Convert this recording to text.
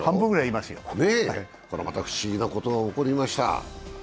まか不思議なことが起こりました。